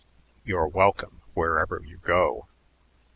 You're welcome wherever you go."